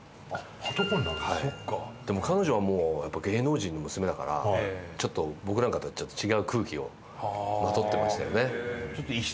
でも彼女はもうやっぱ芸能人の娘だから僕なんかとはちょっと違う空気をまとってましたよね。